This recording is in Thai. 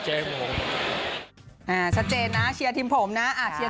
ให้เชียร์ทีมผมนะ